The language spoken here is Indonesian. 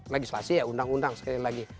legislasi ya undang undang sekali lagi